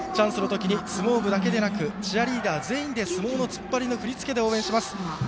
相撲部だけでなくチアリーダー全員で相撲のつっぱりの振り付けで応援します。